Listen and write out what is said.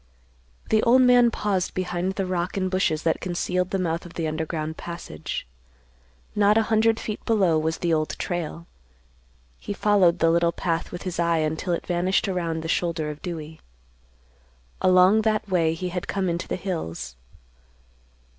The old man paused behind the rock and bushes that concealed the mouth of the underground passage. Not a hundred feet below was the Old Trail; he followed the little path with his eye until it vanished around the shoulder of Dewey. Along that way he had come into the hills.